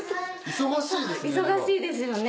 忙しいですね。